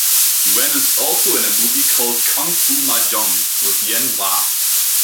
Yuen is also in a movie called "Kung Fu Mahjong", with Yuen Wah.